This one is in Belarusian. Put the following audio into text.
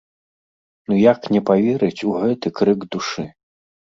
Ну як не паверыць у гэты крык душы?